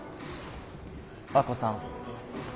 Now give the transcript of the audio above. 亜子さん。